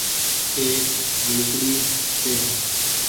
ايڪ جهونپڙي ڇي